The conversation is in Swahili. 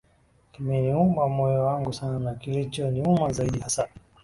kimeniuma moyo wangu sana na kilicho niuma zaidi hasa